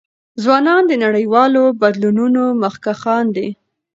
ځوانان د نړیوالو بدلونونو مخکښان دي.